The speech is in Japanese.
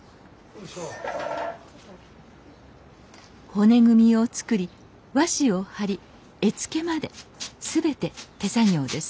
骨組みを作り和紙を貼り絵付けまで全て手作業です